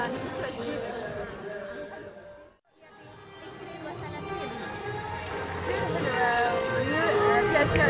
atraksi air mancur menjadi salah satu show yang ditunggu tunggu pengunjung air mancur penari